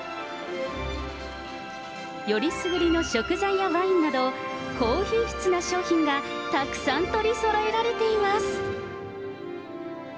選りすぐりの食材やワインなど、高品質な商品がたくさん取りそろえられています。